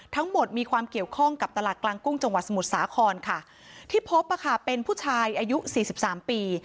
ทั้งหมดมีความเกี่ยวข้องกับตลาดกลางกุ้งจังหวัดสมุทรสาครค่ะที่พบเป็นผู้ชายอายุสี่สิบสามปี